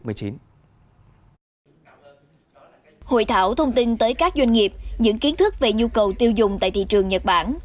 hội thảo thông tin tới các doanh nghiệp những kiến thức về nhu cầu tiêu dùng tại thị trường nhật bản